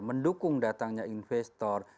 mendukung datangnya investor